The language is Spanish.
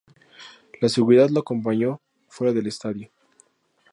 La Seguridad lo acompaña fuera del estadio.